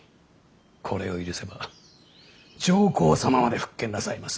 これを許せば上皇様まで復権なさいます。